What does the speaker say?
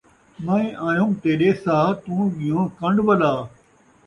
میں آیم تیݙے ساہ ، توں ڳیوں کن٘ڈ ولا